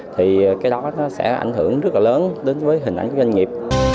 thì cái đó nó sẽ ảnh hưởng rất là lớn đến với hình ảnh của doanh nghiệp